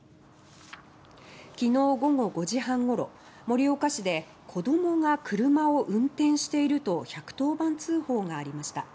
きのう午後５時半ごろ盛岡市で「子どもが車を運転している」と１１０番通報がありました。